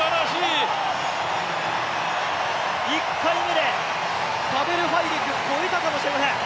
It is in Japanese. １回目でパベル・ファイデクを超えたかもしれません。